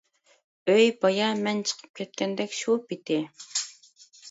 ئۆي بايا مەن چىقىپ كەتكەندەك شۇ پىتى.